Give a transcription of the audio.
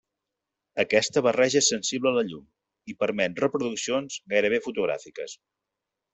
Aquesta barreja és sensible a la llum i permet reproduccions gairebé fotogràfiques.